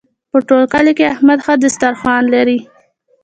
په ټول کلي کې احمد ښه دسترخوان لري.